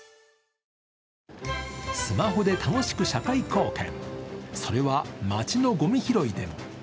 スマホで楽しく社会貢献、それは街のごみ拾いでも。